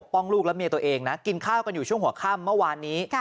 ลูกและเมียตัวเองนะกินข้าวกันอยู่ช่วงหัวค่ำเมื่อวานนี้